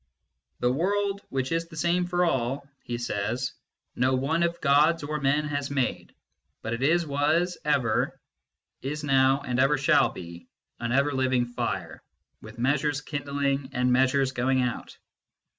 " This world, which is the same for all," he says, " no one of gods or men has made ; but it was ever, is now, and ever shall be, an ever living Fire, with measures kindling, and measures going out."